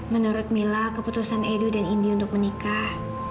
menurut mila keputusan edu dan indi untuk menikah